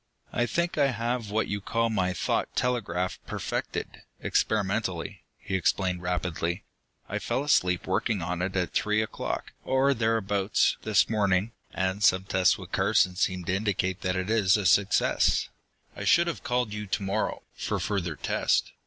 "I think I have what you call my thought telegraph perfected, experimentally," he explained rapidly. "I fell asleep working on it at three o'clock, or thereabouts, this morning, and some tests with Carson seem to indicate that it is a success. I should have called you to morrow, for further test.